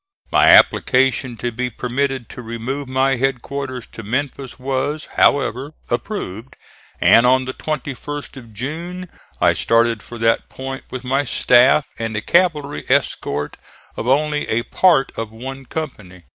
My application to be permitted to remove my headquarters to Memphis was, however, approved, and on the 21st of June I started for that point with my staff and a cavalry escort of only a part of one company.